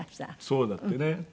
そうだってね。